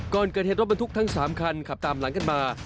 ก่อนเกิดเหตุรถบรรทุกทั้ง๓คันขับตามหลังกันมา